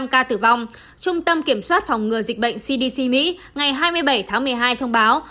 năm trăm tám mươi năm ca tử vong trung tâm kiểm soát phòng ngừa dịch bệnh cdc mỹ ngày hai mươi bảy tháng một mươi hai thông báo